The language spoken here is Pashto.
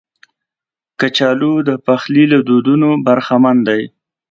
کچالو د پخلي له دودونو برخمن دي